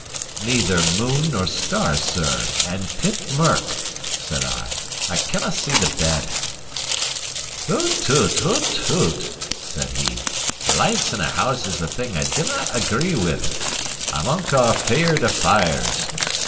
"Neither moon nor star, sir, and pit mirk," * said I. "I cannae see the bed." * Dark as the pit. "Hoot toot, hoot toot!" said he. "Lights in a house is a thing I dinnae agree with. I'm unco feared of fires.